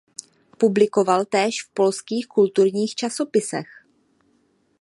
Publikoval též v polských kulturních časopisech.